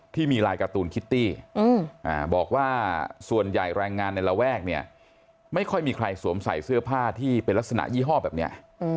ที่มีลายการ์ตูนคิตตี้บอกว่าส่วนใหญ่แรงงานในระแวกเนี่ยไม่ค่อยมีใครสวมใส่เสื้อผ้าที่เป็นลักษณะยี่ห้อแบบนี้